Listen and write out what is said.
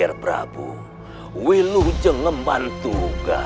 jika ada yang berhubungan dengan saya